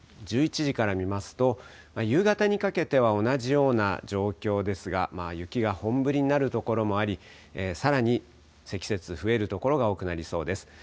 １１時から見ますと夕方にかけては同じような状況ですが雪が本降りになるところもありさらに積雪、増える所が多くなりそうです。